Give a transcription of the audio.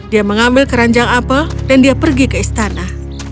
dia mengambil keranjang apel dan dia pergi ke istana